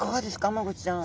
マゴチちゃん。